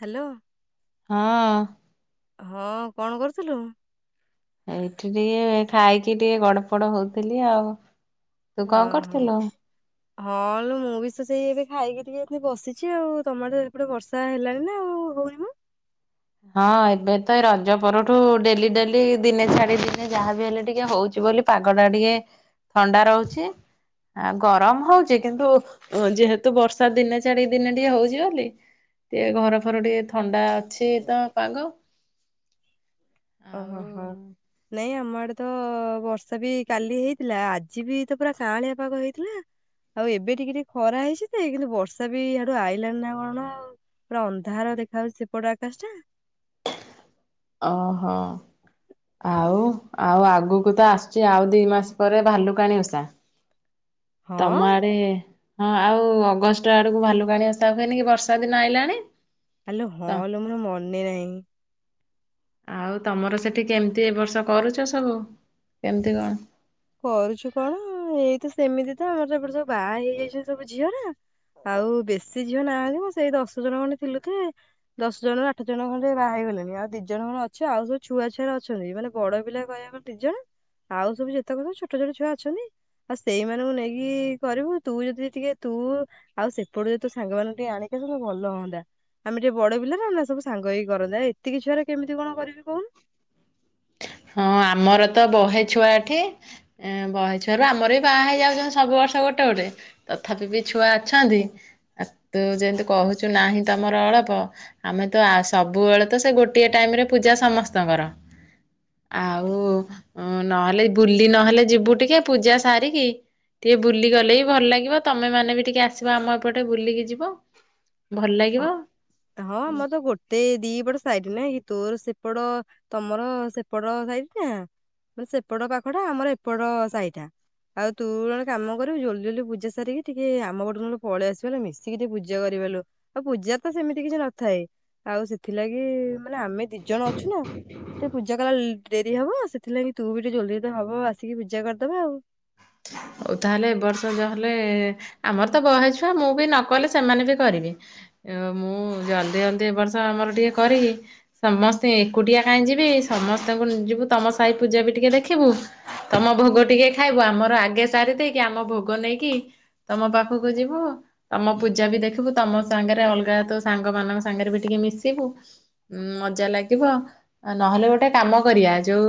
Hello. ହଁ। ହଁ କଣ କରୁଥିଲୁ? ଏଇଠି ଟିକେ ଖାଇକି ଟିକେ ଗଡ ପଡ ହଉଥିଲି ଆଉ ତୁ କଣ କରୁଥିଲୁ? ହଁ-ହଁ ଲୋ ମୁଁ ବି ତ ସେଇ ଏବେ ଖାଇକି ଟିକେ ଏଠି ବସିଛି ଆଉ ତମର ତ ଏପଟେ ବର୍ଷା ହେଲାଣି ନା ଆଉ ହଉନି ମ? ହଁ ଏବେ ତ ଏ ରଜ ପରଠୁ ଡେଲି ଡେଲି ଦିନେ ଛାଡି ଦିନେ ଯାହା ବିି ହେଲେ ଟିକେ ହଉଛି ବୋଲି ପାଗ ଟା ଟିକେ ଥଣ୍ଡା ରହୁଛି ଆ ଗରମ ହଉଛି କିନ୍ତୁ ଯେହେତୁ ବର୍ଷା ଦିନେ ଛାଡି ଦିନେ ଟିକେ ହଉଛି ବୋଲି ଟିକେ ଘର ଫର ଟିକେ ଥଣ୍ଡା ତ ପାଗ ଆଉ ଓହୋ ହୋ ନାଇଁ ଆମଡେ ତ ବର୍ଷା ବି କାଲି ହେଇଥିଲା ଆଜି ବି ତ ପୁରା କାଁଳିଆ ପାଗ ହେଇଥିଲା ଆଉ ଏବେ ଟିକେ ଟିକେ ଖରା ହେଇଛି ତ କିନ୍ତୁ ବର୍ଷା ବି ଡୁ ଆଇଲାଣି ନା କଣ ଆ ପୁରା ଅନ୍ଧାର ଦେଖା ହାଉଉଛି ସେପଟ ଆକାଶ ଟା ଓହୋ। ଆଉ ଆଉ ଆଗ୍ ଆଗୁକୁ ତ ଆସଚି ଆଉ ଦୁଇ ମାସ ପରେ ଭାଲୁକାଣି ଓଷା। ତମ ହଁ ଆଡେ ହଁ ଆଉ ଅଗଷ୍ଟ ଆଡକୁ ଭାଲୁକାଣି ଓଷା ହୁଏନି କି ବର୍ଷା ଦିନ ଆଇଲାଣି। ଆଲୋ ତ ହଁ ଲୋ ମୋର ମନେ ନାଇଁ। ଆଉ ତମର ସେଠି କେମତି ଏ ବର୍ଷ କରୁଚ ସବୁ କେମିତି କଣ? କରୁଛୁ କଣଅ ଏଇ ତ ସେମିତି ତ ଆମର ଏପଟେ ସବୁ ବାଆ ହେଇଯାଇଚନି ସବୁ ଝିଅରା ଆଉ ବେଶୀ ଝିଅ ନାହାନ୍ତି ମଁ ସେଇ ଦଶ ଜଣ ଖଣ୍ଡେ ଥିଲୁତି। ଦଶ ଜଣରୁ ଆଠ ଜଣ ଖଣ୍ଡେ ବାହା ହେଇଗଲେଣି ଆଉ ଦି ଜଣ କଣ ଅଛ ଆଉ ସବୁ ଛୁଆ ଛୁଆରା ଅଛନ୍ତି। ମାନେ ବଡ ପିଲା କହଇବାକୁ ଗଲେ ଦି ଜଣ। ଆଉ ସବୁ ଯେ ତମର କଅଁ ଛୋଟ ଛୋଟ ଛୁଆ ଅଛନ୍ତି ।ଆଉ ସେଇମାନନଙ୍କୁ ନେଇକିଇ କରିବୁ ତୁ ଯଦି ଟିକେ ତୁ ଆଉ ସେପଟୁ ଯଦି ତୋ ସାଙ୍ଗମାନାଙ୍କୁ ଟିକେ ଆଣିକି ଆସନ୍ତୁ ଭଲ ହୁଅନ୍ତା। ଆମେ ଟିକେ ବଡ ପିଲାନା ରା ସବୁ ସାଙ୍ଗ ହେଇକି କରନ୍ତେ। ଏତିକି ଛୁଆରେ କେମିତି କଣ କରିବି କହୁନୁ। ହଁ ଆମର ତ ବହେ ଛୁଆ ଏଠି । ଇଁ ବହେ ଛୁଆରୁ ଆମର ବି ବାହା ହେଇ ଯାଉଚନ୍ତି ସବୁ ବର୍ଷ ଗୋଟେ ଗୋଟେ ତଥାପି ବି ଛୁଆ ଅଛନ୍ତି ।ଆ ତୁ ଯେନ୍ତି କହୁଚୁ ନାହିଁ ତମର ଅଳପ ଆମେ ତ ଆ ସବୁବେଳେ ତ ସେ ଗୋଟିଏ ଟାଇମ୍ ରେ ପୂଜା ସମସ୍ତଙ୍କର। ଆଉ ନହେଲେ ବୁଲି ନହେଲେ ଯିବୁ ଟିକେ। ପୂଜା ସାରିକି ଟିକେ ବୁଲି ଗଲେ ବିି ଭଲ ଲାଗିବ ତମେ ମାନେ ବି ଟିକେ ଆସିବ ଆମ ଏପଟେ ବୁଲିକି ଯିବ ଭଲ୍ ଲାଗିବ। ହଁ ଆମର ଟ ଗୋଟେ ଦିଇ ପଟ ସାଇଟ୍ ନାଇଁ କି ତୋର ସେପଟଅ ତମର ସେପଟ ସାଇଟ ଟା ମାନେ ସେପଟଅ ପାଖଟା ଆମର ଏପଟଅ ସାଇ ଟା ଆଉ ତୁ ନହେଲେ କାମ କରିବୁ ଜଲଦି ଜଲଦି ପୂଜା ସାରିକି ଟିକେ ଆମ ପଟ କୁ ନହେଲେ ପଳେଇ ଆସିବ ମିଶିକି ଟିକେ ପୂଜା କରିଲବାଲୋ ଆଉ ପୂଜା ତ ତ ସେମିତି କିଛି ନଥାଏ ଆଉ ସେଥିଲାଗି ଇ ମାନେ ଆମେ ଦି ଜଣ ଅଛୁ ନା ଟିକେ ପୂଜା କଲାଅ ଡେରି ହବ ସେଥିଲାଗି ତୁ ବି ଟିକେ ଜଲଦି ହବ ଆସିକି ପୂଜା କରିଦେବା ଆଉ। ହଉ ତାହେଲେ ଏ ବର୍ଷ ଯହେଲେଏ। ଆମର ତ ବହେ ଛୁଆ ମୁଁ ବି ନ କଲେ ସେମାନେ ବି କରିବେ। ମୁଁ ଜଲଦି ଜଲଦି ଏ ବର୍ଷ ଆମର ଟିକେ କରିକି ସମସ୍ତେ ଏକୁଟିଆ କାଇଁ ଯିବି ସମସ୍ତଙ୍କୁ ଯିବୁ ତମ ସାହି ପୂଜା ବି ଟିକେ ଦେଖିବୁ ତମ ଭୋଗ ଟିକେ ଖାଇବୁ ଆମର ଆଗେ ସାରି ଦେଇକି ଆମ ଭୋଗ ନେଇକି ତମ ପାଖକୁ ଯିବୁ। ତମ ପୂଜା ବି ଦେଖ୍ ବୁ ତମ ସାଙ୍ଗରେ ଅଲଗା ତ ସାଙ୍ଗ ମାନଙ୍କ ସାଙ୍ଗରେ ବି ଟିକେ ମିଶିବୁ। ଉଁ ମଜା ଲାଗିବ ନହେଲେ ଗୋଟେ କାମ କରିବା ଯୋଉ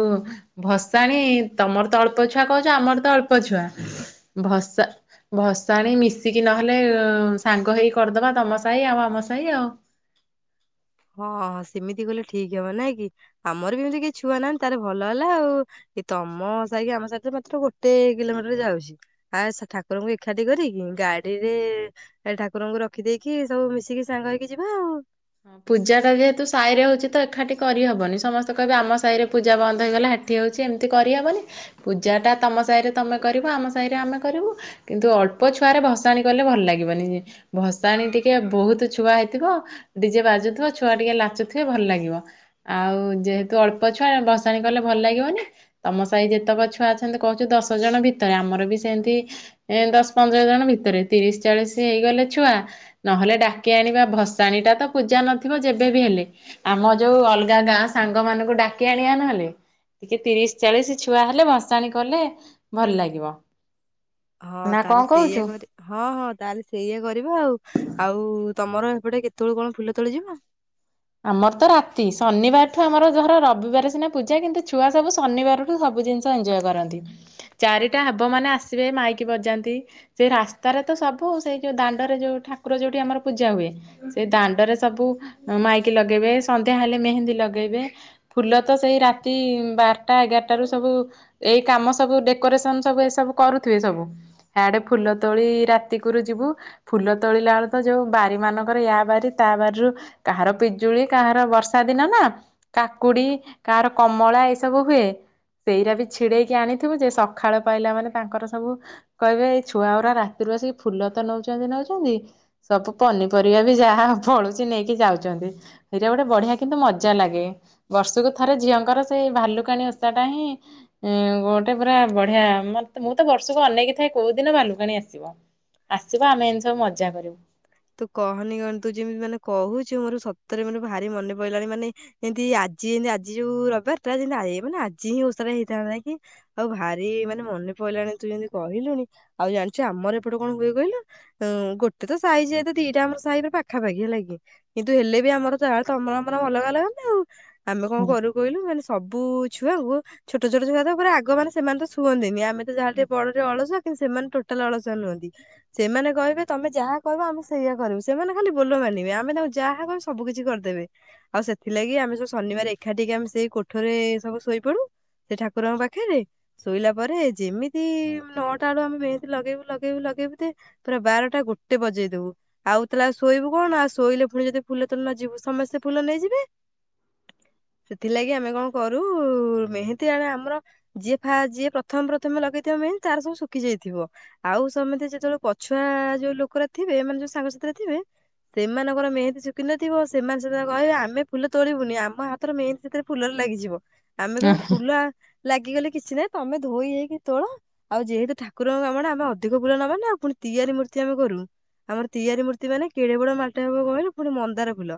ଭସାଣି ତମର ତ ଅଳ୍ପ ଛୁଆ କ ଆମର ତ ଅଳ୍ପ ଅଳ୍ପ-ଛୁଆ ଭସା ଭସାଣି ମିଶିକି ନହେଲେ ସାଙ୍ଗ ହେଇକି କରିଦବା ତମ ସାହି ଆଉ ଆମ ସାହି ଆଉ। ହଁଁ ସେମିତି କଲେ ଠିକ ହବ ନାଇଁ କି? ଆମର ବି ଏମିତି କେହି ଛୁଆ ନାହାନ୍ତି ତାରେ ଭଲ ହେଲା ଆଉଉ ଏ ତମ ସାାଇକି ଆମ ସାଇ ତ ମାତ୍ର ଗୋଟେ କିଲୋମିଟରରେ ଯାଉଚି ଆସ୍ ଠାକୁରଙ୍କୁ ଏଖାଠି କରିକି ଗାଡିରେ ଠାକୁରଙ୍କୁ ରଖିଦେଇକି ସବୁ ମିଶିକି ସାଙ୍ଗ ହେଇକି ଯିବା ଆଉ। ପୂଜାଟା ଯେହେତୁ ସାଇରେ ହଉଚି ତ ଏଖାଠି କରିହେବନି ସମସ୍ତେ କହିବେ ଆମ ସାହି ରେ ପୂଜା ବନ୍ଦ ହେଇଗଲା ହେଠି ହଉଛି ଏମିତି କରିଆ ବୋଲି ପୂଜାଟା ତମ ସାଇ ରେ ତମେ କରିବ ଆମ ସାଇରେ ଆମେ କରିବୁ ।କିନ୍ତୁ ଅଳ୍ପ ଛୁଆରେ ଭସାଣି କଲେ ଭଲ ଲାଗିବନିଇ ଭସାଣି ଟିକେ ବହୁତୁ ଛୁଆ ହେଇଥିଅ ଡିଜେ ବାଜୁଥିବ ଛୁଆ ଟିକେ ଲାଚୁଥିବେ ଭଲ ଲାଗିବ। ଆଉ ଯେହେତୁ ଅଳ୍ପ ଛୁଆ ଭସାଣି କଲେ ଭଲ ଲାଗିବନି ତମ ସାଇ ଯେତେକ ଛୁଆ ଅଛନ୍ତି କହୁଛୁ ଦଶ ଜଣ ଭିତରେ ଆମର ବି ସେନ୍ତି ଏ ଦଶ୍ ପନ୍ଦର ଜଣ ଭିତରେ ତିରିଶ ଚାଳିଶି ହେଇଗଲେ ଛୁଆ ନହେଲେ ଡାକି ଆଣିବା ଭସାଣି ଟା ତ ପୂଜା ନଥିବ ଯେବେବି ହେଲେ ଆମ ଯୋଉ ଅଲଗା ଗାଁ ସାଙ୍ଗ ମାନଙ୍କୁ ଡାକି ଆଣିଆ ନହେଲେ ଟିକେ ତିରିଶ ଚାଳିଶି ଛୁଆ ହେଲେ ଭସାଣି କଲେ ଭଲ ଲାଗିବ। ହଁ ନା ତାହେଲେ କଣ ସେଇଆ କହୁଛୁ? କରି ହଁ ହଁ ତାହେଲେ ସେଇଆ କରିବା ଆଉ ଆଉ ତମର ହେପଟେ କେତେବେଳୁ କଣ ଫୁଲ ତୋଳି ଯିବ? ଆମର ତ ରାତି ଶନିବାରଠୁ ଆମର ଧର ରବିଵାରେ ସିନା ପୂଜା କିନ୍ତୁ ଛୁଆ ସବୁ ଶନିବାରଠୁ ସବୁ ଜିନିଷ ଏନଞ୍ଜୟ୍ କରନ୍ତି। ଚାରିଟା ହେବ ମାନେ ଆସିବେ ମାଇକି ବଜାନ୍ତି ସେ ରାସ୍ତାରେ ତ ସବୁ ସେଇ ଯୋଉ ଦାଣ୍ଡରେ ଯୋଉ ଠାକୁର ଯୋଉଠି ଆମର ପୂଜା ହୁଏ ସେ ଦାଣ୍ଡରେ ସବୁ ମାଇକ୍ ଲଗେଇବେ ସନ୍ଧ୍ୟା ହେଲେ ମେହେନ୍ଦୀ ଲଗେଇବେ। ଫୁଲ ତ ସେଇ ରାତିଇ ବାରଟା ଏଗାରଟା ରୁ ସବୁ ଏଇ କାମ ସବୁ ଡେକୋରେସନ ସବୁ ଏ ସବୁ କରୁଥିବେ ସବୁ ଆଡେ ଫୁଲ ତୋଳି ରାତି କୁରୁ ଯିବୁ ଫୁଲ ତୋଳିଲା ବେଳେ ତ ଯୋଉ ବାରି ମାନଙ୍କର ୟା ବାରି ତା ବାରିରୁ କାହାର ପି ଜୁଳି କାହାର ବର୍ଷା ଦିନ ନା କାକୁଡି କାହାର କମଳା ଏଇ ସବୁ ହୁଏ ସେଇରା ବି ଛିଡେଇକି ଆଣିଥିବୁ ଯେ ସଖାଳ ପାଇଲା ମାନେ ତାଙ୍କର ସବୁ କଇବେ ଏଇ ଛୁଆଗରା ରାତିରୁ ଆସିକି ଫୁଲ ତ ନଉଚନ୍ତି ନଉଚନ୍ତି ସବୁ ପନିପରିବା ବି ଯାହା ଫଳୁଚି ନେଇକି ଯାଉଚନ୍ତି। ହୀରା ଗୋଟ ବଢିଆ କିନ୍ତୁ ମଜା ଲାଗେ। ବର୍ଷୁକୁ ଥରେ ଝିଅଙ୍କର ସେଇ ଭାଲୁକାଣୀ ଓଷାଟା ହିଁ ଇଁ ଗୋଟେ ପୁରା ବଢିଆ ମତ୍ ମୁଁ ତ ବର୍ଷକୁ ଅନେଇକି ଥାଏ କୋଉ ଦିନ ଭାଲୁକାଣୀ ଆସିବ। ଆସିବ ଆମେ ଏନ୍ତି ସବୁ ମଜା କରିବୁ। ତୁ କହନି କନି ତୁ ଯିମିତି ମାନେ କହୁଚୁ ମୋର ସତରେ ମୋର ଭାରି ମନେ ପଇଲାଣି ମାନେ ଏନ୍ତି ଆଜି ଏନ୍ତି ଆଜି ଯୋଉ ରବବାର ଟା ଯେନ୍ତି ଏ ମାନେ ଆଜି ହିଁ ଓଷାରା ହେଇଥାନ୍ତା କି ଆଉ ଭାରି ମାନେ ମନେ ପଇଲାଣି ତୁ ଯେନ୍ତି କହିଲୁଣି ଆଉ ଜାଣିଚୁ ଆମର ଏପଟେ କଣ ହୁଏ କହିଲୁ ଉଁ ଗୋଟେ ତ ସାଇଯେ ଦିଟା ଆମର ସାହି ରୁ ପାଖାପାଖି ହେଲା କି ଲାଗି କିନ୍ତୁ ହେଲେ ବି ଆମର ତ ଯାହା ତମର ଆମର ଅଲଗା ଅଲଗା ନା ଆଉ। ଆମେ କଣ ହଁ। କରୁ କହିଲୁ ମାନେ ସବୁ ଛୁଆ କୁଁ ଛୋଟ ଛୋଟ ଛୁଆ ତ ଆଗ ପୁରା ମାନେ ସେମାନେ ତ ଶୁଅନ୍ତିନି ଆମେ ଯାହା ହେଲେ ଟିକେ ବଡଟେ ଅଳସୁଆ କିନ୍-ସେମାନେ ଟ ଟାଲ୍ ଅଳସୁଆ ନୁହନ୍ତି ସେମାନେ କହିବେ ତମେ ଯାହା କହିବ ଆମେ ସେଇଆ କରିବୁ ସେମାନେ ଖାଲି ବୋଲ ମାନିବେ ଆମେ ତାଙ୍କୁ ଯାହା କଇବୁ ସବୁ କିିଛି କରିଦେବେ। ଆଉ ସେଥିଲାଗି ଆମେ ସବୁ ଶନିବାର ଏକାଠିକେ ଆମେ ସେଇ କୋଠରେ ଏ ସବୁ ଶୋଇପଡୁ ସେ ଠାକୁରଙ୍କ ପାଖରେ ଶୋଇଲା ପରେ ଯେମିତିଇ ନଅଟା ବେଳୁ ଆମେ ମେହେନ୍ଦି ଲଗେଇବୁ ଲଗେଇବୁ ଲଗେଇବୁତି ପୁରା ବାରଟା ଗୋଟେ ବଜେଇ ଦବୁ। ଆଉ ତାଲେ ଆଉ ଶୋଇବୁ କଣ ଆଉ ଶୋଇଲେ ପୁଣି ଯଦି ଫୁଲ ତୋଳି ନଯିବୁ ସମସ୍ତେ ଫୁଲ ନେଇଯିବେ ।ସେଥିଲାଗି ଆମେ କଣ କରୁ ଉ ମେହେନ୍ଦୀ ଜଣେ ଆମର ଯିଏ ଫା ଯିଏ ପ୍ରଥମେ ପ୍ରଥମେ ଲଗେଇଥିବ ମେହେନ୍ଦି ତାର ସବୁ ଶୁଖି ଯାଇଥିବ ଆଉ ସମତେ ଯେତେବେଲୁ ପଛୁଆ ଯୋଉ ଲୋକରା ଥିବେ ମାନେ ଯୋଉ ସାଙ୍ଗ ସାଥିରେ ଥିବେ ସେମାନଙ୍କର ମେହେନ୍ଦି ଶୁଖିନଥିବ ସେମାନେ ସେଦିନ କହିବେ ଆମେ ଫୁଲ ତୋଳିବୁନି ଆମ ହାତରେ ମେହେନ୍ଦି ସେଥିରେ ଫୁଲରେ ଲାଗିଯିବ। ଆମେ ଅ କଇବୁ ଫୁଲା ଲାଗିଗଲେ କି କିଛି ନାଇଁ ତମେ ଧୋଇ ହେଇକି ତୋଳ ଆଉ ଯେହେତୁ ଠାକୁରଙ୍କ କାମ ଆମେ ଅଧିକ ଫୁଲ ନବା ନା ଆଉ ପୁଣି ତିଆରି ମୂର୍ତ୍ତି ଆମେ କରୁ ଆମର। ତିଆରି ମୂର୍ତ୍ତି ମାନେ କେଡେ ବଡ ମାଲଟ ହବ କହିଲେ ପୁଣି ମନ୍ଦାର ଫୁଲ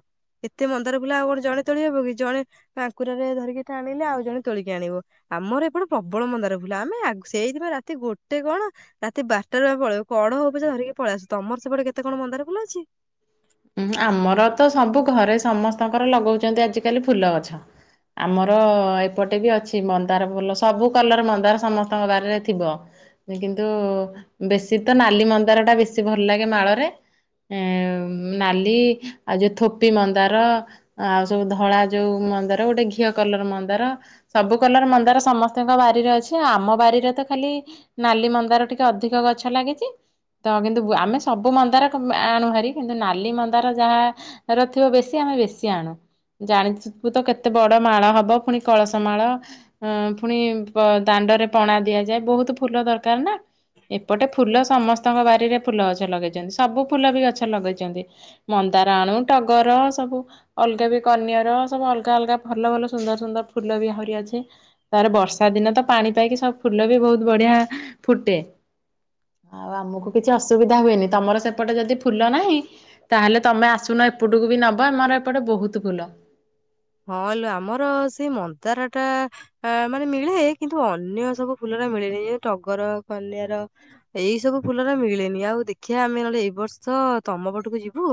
ଏତେ ମନ୍ଦାର ଫୁଲ ଆଉ କଣ ଜଣେ ତୋଳି ହବ କି ଜଣେ ଆଙ୍କୁରାରେ ଧରିକି ଆଣିଲେ ଆଉ ଜଣେ ତୋଳିକି ଆଣିବ ଆମର ଏପଟେ ପ୍ରବଳ ମନ୍ଦାର ଫୁଲ ଆମେ ସେଇଥିପାଇଁ ରାତି ଗୋଟେ କଣ ରାତି ବାରଟାରୋରୁ ପଳେଇବ କଡ ହଉ ପଛା ଧରିକି ପଳେଇ ଆସୁ ତମର ସେପଟେ କେତେ କେତେ କଣ ମନ୍ଦର ଫୁଲ ଅଛି। ଉଁ ଆମର ତ ସବୁ ଘରେ ସମସ୍ତଙ୍କର ଲଗାଉଛନ୍ତି ଆଜିକାଲି ଫୁଲ ଗଛ ଆମର ଏପଟେ ବି ଅଛି ମନ୍ଦାର ଫୁଲ ସବୁ କଲର ମନ୍ଦାର ସମସ୍ତଙ୍କ ବାରରେ ଥିବ କିନ୍ତୁ ବେଶୀ ତ ନାଲି ମନ୍ଦାର ଟା ବେଶୀ ଭଲ ଲାଗେ ମାଳରେ ଏ ନାଲି ଆଉ ଯୋଉ ଥୋପି ମନ୍ଦାର ଆଉ ସବୁ ଧଳା ଯୋଉ ମନ୍ଦାର ଗୋଟେ ଘିଅ କଲର ମନ୍ଦାର ସବୁ କଲର ମନ୍ଦାର ସମସ୍ତଙ୍କ ବାରିରେ ଅଛି ଆମ ବାରିରେ ତ ଖାଲି ନାଲି ମନ୍ଦାର ଟିକେ ଅଧିକ ଗଛ ଲାଗିଛି ତ କିନ୍ତୁ ଆମେ ସବୁ ମନ୍ଦାର ଆଣୁହାରି। କିନ୍ତୁ ନାଲି ମନ୍ଦାର ଯାହା ର ଥିବ ବେଶୀ ଆମେ ବେଶୀ ଆଣୁ ଜାଣିିବୁ ତ କେତେ ବଡ ମାଳ ହବ ପୁଣି କଳସ ମାଳ ପୁଣି ଦାଣ୍ଡରେ ପଣା ଦିଆଯାଏ ବହୁତ ଫୁଲ ଦରକାର ନା ଏପଟେ ଫୁଲ ସମସ୍ତଙ୍କ ବାରିରେ ଫୁଲ ଗଛ ଲଗେଇଛନ୍ତି ସବୁ ଫୁଲ ବି ଗଛ। ଛ ଲଗେଇଛନ୍ତି ମନ୍ଦାର ଆଣୁ ଟଗର ସବୁ ଅଲଗା ବି କନ୍ୟର ସବୁ ଅଲଗା ଅଲଗା ଭଲ ଭଲ ସୁନ୍ଦର ସୁନ୍ଦର ଫୁଲ ବି ଆହୁରି ଅଛେ ତାର ବର୍ଷା ଦିନେ ତ ପାଣି ପାଇକି ସବୁ ଫୁଲ ବି ବହୁତ ବଢିଆ ଫୁଟେ ଆଉ ଆମକୁ କିଛି ଅସୁବିଧା ହୁଏନି ତମର ସେପଟେ ଯଦି ଫୁଲ ନାହିଁ ତାହେଲେ ତମେ ଆସୁନ ଏପଟକୁ ବି ନବ ଆମର ଏପଟେ ବହୁତ ଫୁଲ। ହଁଲୋ ଆମର ସେଇ ମନ୍ଦାର ଟା ମାନେ ମିଳେ କିନ୍ତୁ ଅନ୍ୟ ସବୁ ଫୁଲର ମିଳେନି ଯେ ଟଗର କନ୍ୟଆର ଏଇ ସବୁ ଫୁଲର ମିଳେନି ଆଉ ଦେଖିବା ଆମେ ନହେଲେ ଏଇ ବର୍ଷ ତମ ପଟକୁ ଯିବୁ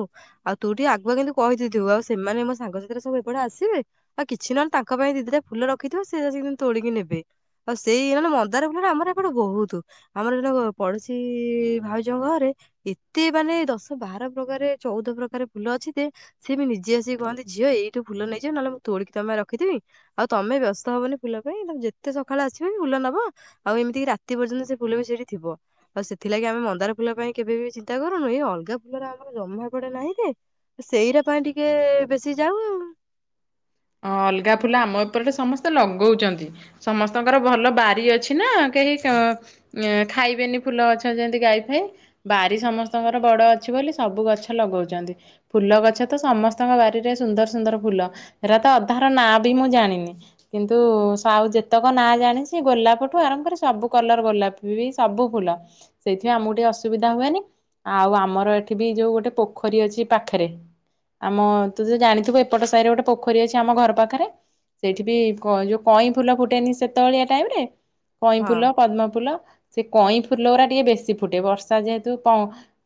ଆଉ ତୁ ଟିକେ ଆଗୁଆ କିନ୍ତୁ କହିଦେଇ ଥିବୁ ଆଉ ସେମାନେ ମୋ ସାଙ୍ଗସାଥିରେ ସବୁ ଏପଟେ ଆସିବେ ଆଉ କିଛି ନହେଲେ ତାଙ୍କ ପାଇଁ ଦିଦିଟା ଫୁଲ ରଖିଥିବ ସେ ଆସିକି [unintelligible] ତୋଳିକି ନେବେ ଆଉ ସେଇ ନହନେ ମନ୍ଦାର ଫୁଲର ଆମର ଏପଟେ ବହୁତୁ ଆମର ଜଣେ କ ପଡୋଶୀ ଭାଉଜଙ୍କ ଘରେ ଏତେ ମାନେ ଦଶ ବାର ପ୍ରକାରେ ଚଉଦ ପ୍ରକାରେ ଫୁଲ ଅଛି ଯେ ସେ ବି ନିଜେ ଆସିକି କହନ୍ତି ଝିଅ ଏଇ ଠୁ ଫୁଲ ନେଇଯିବ ନହେଲେ ମୁଁ ତୋଳିକି ତମ ପାଇଁ ରଖିଥିବି ଆଉ ତମେ ବ୍ୟସ୍ତ ହବନି ଫୁଲ ପାଇଁ ତମେ ଯେତେ ସକାଳେ ଆସିବ ଫୁଲ ନବ ଆଉ ଏମିତିକି ରାତି ପର୍ଯ୍ୟନ୍ତ ସେ ଫୁଲ ବି ସେଇଠି ଥିବ ଆଉ ସେଥିଲାଗି ଆମେ ମନ୍ଦାର ଫୁଲ ପାଇଁ କେବେ ବି ଚିନ୍ତା କରୁନୁ ଏଇ ଅଲଗା ଫୁଲର ଆମର ଜମା ଏପଟେ ନାହିଁ ଯେ ସେଇଟା ପାଇଁ ଟିକେ ବେଶୀ ଯାଉ ଆଉ। ଅଲଗା ଫୁଲ ଆମ ଏପଟେ ସମସ୍ତେ ଲଗଉଚନ୍ତି ସମସ୍ତଙ୍କର ଭଲ ବାରି ଅଛି ନା କେହି ଅ ୟାଁ ଖାଇବେନି ଫୁଲ ଗଛ ଯେମିତି ଗାଈ ଫାଇ ବାରି ସମସ୍ତଙ୍କର ବଡ ଅଛି ବୋଲି ସବୁ ଗଛ ଲଗଉଚନ୍ତି ଫୁଲ ଗଛ ତ ସମସ୍ତଙ୍କ ବାରିରେ ସୁନ୍ଦର ସୁନ୍ଦର ଫୁଲ। ହେରା ତ ଅଧାର ନାଁ ବି ମୁଁ ଜାଣିନି କିନ୍ତୁ ସା ଆଉ ଯେତକ ନାଁ ଜାଣିଛି ଗୋଲାପ ଠୁ ଆରମ୍ଭ କରି ସବୁ କଲର ଗୋଲାପ ବି ସବୁ ଫୁଲ ସେଇଥିପାଇଁ ଆମକୁ ଟିକେ ଅସୁବିଧା ହୁଏନି ଆଉ ଆମର ଏଠି ବି ଯଉ ଗୋଟେ ପୋଖରୀ ଅଛି ପାଖେରେ ଆମ ତୁ ଯ ଜାଣିଥିବୁ ଏପଟ ସାହିରେ ଗୋଟେ। ପୋଖରୀ ଅଛି ଆମ ଘର ପାଖରେ ସେଇଠି ବି କ ଯୋଉ କଇଁ ଫୁଲ ଫୁଟେନି ସେତବେଳିଆ ଟାଇମରେ। ହଁ କଇଁଫୁଲ ପଦ୍ମ ଫୁଲ ସେ କଇଁ ଫୁଲ ଗୁରା ଟିକେ ବେଶୀ ଫୁଟେ ବର୍ଷା ଯେହେତୁ ପ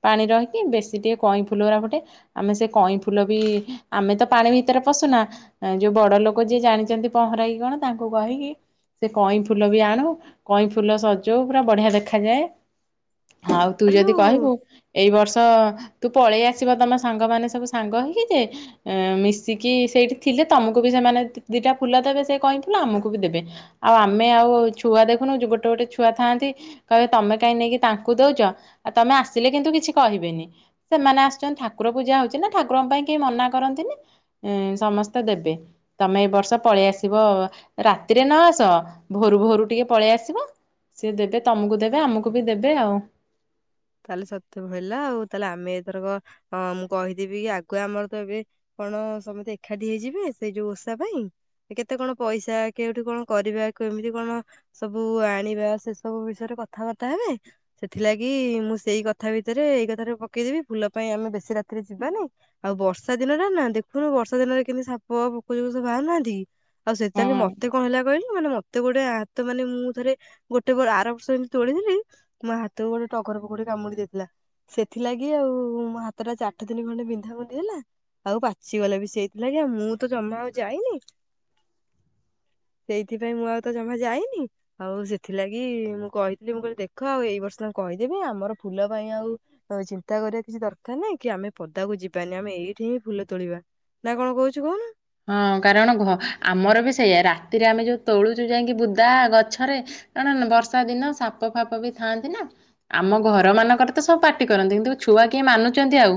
ପାଣି ରହିକି ବେଶୀ ଟିକେ କଇଁ ଫୁଲଗୁରା ଫୁଟେ ଆମେ ସେ କଇଁ ଫୁଲ ବି ଆମେ ତ ପାଣି ଭିତରେ ପଶୁନା ଅଁ ଯୋଉ ବଡ ଲୋକ ଯିଏ ଜାଣିଚନ୍ତି ପହଁରାକି କଣ ତାଙ୍କୁ କହିକି ସେ କଇଁ ଫୁଲ ବି ଆଣୁ କଇଁ ଫୁଲ ସଜଉ ପୁରା ବଢିଆ ଦେଖାଯାଏ। ଆଉ ତୁ ଯଦି ଆଲୋ କହିବୁ ଏଇ ବର୍ଷ। ତୁ ପଳେଇ ଆସିବ ତମ ସାଙ୍ଗମାନେ ସବୁ ସାଙ୍ଗ ହେଇକି ଯେ ଏ ମିଶ ଶିକି ସେଇଠି ଥିଲେ ତମକୁ ବି ସେମାନେ ଦି ଦିଟା ଫୁଲ ଦେବେ ସେ କଇଁ ଫୁଲ ଆମକୁ ବି ଦେବେ ଆଉ ଆମେ ଆଉ ଛୁଆ ଦେଖୁନୁ ଜୁ ଗୋଟେ ଗୋଟେ ଛୁଆ ଥାଆନ୍ତି କହିବେ ତମେ କାହିଁ ନେଇକି ତାଙ୍କୁ ଦଉଚ ଆଉ ତମେ ଆସିଲେ କିନ୍ତୁ କିଛି କହିବେନି ସେମାନେ ଆସୁଚନ୍ତ ଠାକୁର ପୂଜା ହଉଛି ନା ଠାକୁରଙ୍କ ପାଇଁ କେହି ମନା କରନ୍ତିନି। ଉଁ ସମସ୍ତେ ଦେବେ ତମେ ଏ ବର୍ଷ ପଳେଇ ଆସିବ ରାତିରେ ନ ଆସ ଭୋରୁ ଭୋରୁ ଟିକେ ପଳେଇ ଆସିବ ସିଏ ଦେବେ ତମକୁ ଦେବେ ଆମକୁ ବି ଦେବେ ଆଉ। ତାହେଲେ ସତ ହେଲା ଆଉ ତାହେଲେ ଆମେ ଏଥରକ ଅ ମୁଁ କହିଦେବି କି ଆଗୁଆ ଆମର ତ ଏବେ କଣ ସମସ୍ତେ ଏକାଠି ହେଇଯିବେ ସେଇ ଯୋଉ ଓଷା ପାଇଁ କେତେ କଣ ପଇସା କେଉଠି କଣ କରିବା କେମିତି କଣ ସବୁ ଆଣିବା ସେ ସବୁ ବିଷୟରେ କଥାବାର୍ତ୍ତା ହେବେ ସେଥିଲାଗି। ମୁଁ ସେଇ କଥା ଭିତରେ ଏଇ କଥାରେ ପକେଇଦେବି ଫୁଲ ପାଇଁ ଆମେ ବେଶୀ ରାତିରେ ଯିବାନି ଆଉ ବର୍ଷା ଦିନରେ ନା ଦେଖୁନୁ ବର୍ଷା ଦିନରେ କେମତି ସାପ ପୋକୋ ଯଉ ସବୁ ବାହାରୁନାହାନ୍ତି କି। ଆଉ ହଁ ସେତାରେ ମତେ କଣ ହେଲା କହିଲୁ। ମାନେ ମତେ ଗୋଟେ ହାତ ମାନେ ମୁଁ ଥରେ ଗୋଟେ ଆର ବର୍ଷ ଯେମିତି ତୋଳିଥିଲି ମୋ ହାତକୁ ଗୋଟେ ଟ ପୋଖର ପୋଖରୀ କାମୁଡି ଦେଇଥିଲା ସେଥିଲାଗି ଆଉ ମୋ ହାତଟା ଚାଠ ତିନି ଖଣ୍ଡେ ବିନ୍ଧା ବୁନ୍ଧି ହେଲା ଆଉ ପାଚିଗଲେ ବି ସେଇଥିଲାଗି ଆଉ ମୁଁ ତ ଜମା ଆଉ ଯାଇନି ସେଇଥିପାଇଁ ମୁଁ ଆଉ ତ ଜମା ଯାଇନି ଆଉ ସେଥିଲାଗି ମୁଁ କହିଥିଲି ମୁଁ କହିଲି ଦେଖ ଆଉ ଏଇ ବର୍ଷ ତାଙ୍କୁ କହିି। ଯିବେ ଆମର ଫୁଲ ପାଇଁ ଆଉ ଚିନ୍ତା କରିବା କିଛି ଦରକାର ନାହିଁ କି ଆମେ ପଦାକୁ ଯିବାନି ଆମେ ଏଇ। ହଁ କାରଣ ଘ ଆମର ବି ସେଇଆ ରା ରାତିରେ ଆମେ ଯୋଉ ତୋଳୁଛୁ ଯାଇକି ବୁଦା ଗଛରେ କାଣାନ ବର୍ଷା ଦିନ ସାପ ଫାପ ବି ଥାଆନ୍ତି ନା ଆମ ଘର ମାନଙ୍କରେ ତ ସବୁ ପାଟି କରନ୍ତି କିନ୍ତୁ ଛୁଆ କିଏ ମାନୁଚନ୍ତି ଆଉ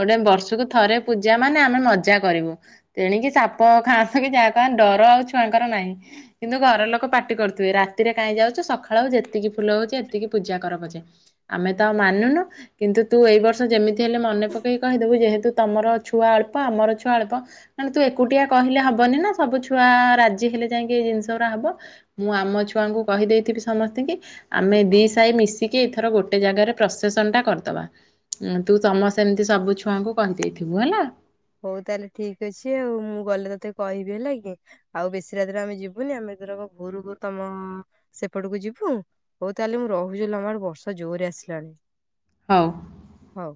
ଗୋଟେ ବର୍ଷକୁ ଥରେ। ପୂଜା ମାନେ ଆମେ ମଜା କରିବୁ ତେଣିକି ସାପ ଖାଆନ୍ତୁ କି ଯାହା ଖାନ୍ତୁ ଡର ଆଉ ଛୁଆଙ୍କର ନାହିଁ କିନ୍ତୁ ଘର ଲୋକ ପାଟି କରୁଥିବେ ରାତିରେ କାହିଁ ଯାଉଛୁ ସକାଳ ଯେତିକି ଫୁଲ ହଉଚି ଏତିକି ପୂଜା କର ପଛେ ଆମେ ତ ଆଉ ମାନୁନୁ କିନ୍ତୁ ତୁ ଏଇ ବର୍ଷ ଯେମିତି ହେଲେ ମନେ ପକେଇକି କହିଦେବୁ ଯେହେତୁ ତମର। ଛୁଆ ଅଳ୍ପ ଆମର ଛୁଆ ଅଳ୍ପ ନନେ ତୁ ଏକୁଟିଆ କହିଲେ ହବନି ନା ସବୁ ଛୁଆ ରାଜି ହେଲେ ଯାଇକି ଏଇ ଜିନିଷ ଗୁରା ହବ ମୁଁ ଆମ ଛୁଆଙ୍କୁ କହିଦେଇଥିବି ସମସ୍ତିଙ୍କି ଆମେ ଦି ସାହି ମିଶିକି ଏଥର ଗୋଟେ ଜାଗାରେ ପ୍ରସେସନ ଟା କରଦବା ଉ ତୁ ସମସ ଏମିତି ସବୁ ଛୁଆଙ୍କୁ କହିଦେଇଥି ବୁ ହେଲା। ହଉ ତାହେଲେ ଠିକ ଅଛି ଆଉ ମୁଁ ଗଲେ ତତେ କହିବି ହେଲା କି ଆଉ ବେଶୀ ରାତିରେ ଆମେ ଯିବୁନି ଆମେ ଧରକ ଭୋରୁ ଭୋର ତମ ସେପଟକୁ ଯିବୁ ହଉ ତାହେଲେ ମୁଁ ରହୁଛି ଲୋ ଆମ ଆଡ ବର୍ଷ ଜୋରରେ ଆସିଲାଣି। ହଉ। ହଉ।